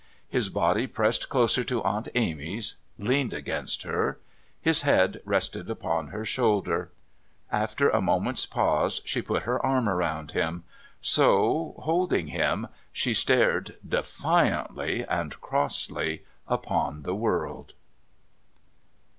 His body pressed closer to Aunt Amy's, leaned against her. His head rested upon her shoulder. After a moment's pause she put her arm round him so, holding him, she stared, defiantly and crossly, upon the world.